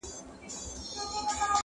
د بازانو د حملو کیسې کېدلې٫